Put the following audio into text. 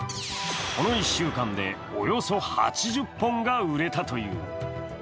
この１週間でおよそ８０本が売れたという。